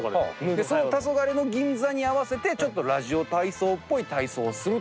その「たそがれの銀座」に合わせてちょっとラジオ体操っぽい体操をするという。